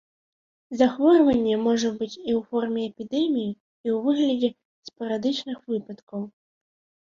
Захворванне можа быць і ў форме эпідэміі, і ў выглядзе спарадычных выпадкаў.